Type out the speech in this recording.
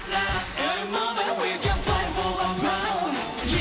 え？